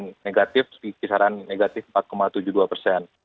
yang negatif di kisaran negatif empat tujuh puluh dua persen